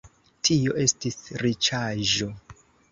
Tio estis riĉaĵo.